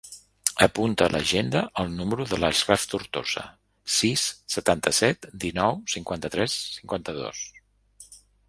Apunta a l'agenda el número de l'Achraf Tortosa: sis, setanta-set, dinou, cinquanta-tres, cinquanta-dos.